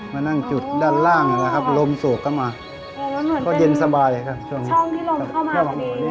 มานั่งจุดด้านล่างนี่แหละครับลมสวกเข้ามาเพราะเย็นสบายครับช่องที่ลมเข้ามากันดี